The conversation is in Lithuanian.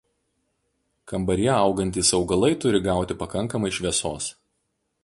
Kambaryje augantys augalai turi gauti pakankamai šviesos.